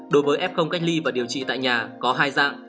đối với f cách ly và điều trị tại nhà có hai dạng